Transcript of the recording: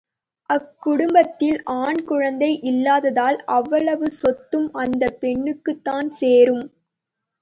அக்குடும்பத்தில் ஆண் குழந்தை இல்லாததால் அவ்வளவு சொத்தும் அந்தப் பெண்ணுக்குத் தான் சேரும்.